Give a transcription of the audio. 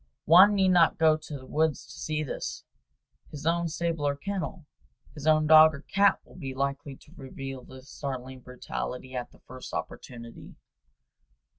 One need not go to the woods to see this; his own stable or kennel, his own dog or cat will be likely to reveal the startling brutality at the first good opportunity.